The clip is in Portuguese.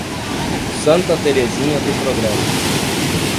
Santa Terezinha do Progresso